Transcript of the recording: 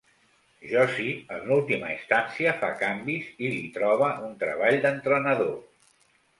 Josie en última instància fa canvis i li troba un treball d'entrenador.